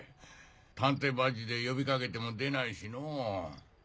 探偵バッジで呼びかけても出ないしのぉ。